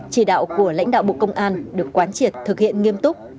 chỉ đạo của lãnh đạo bộ công an được quán triệt thực hiện nghiêm túc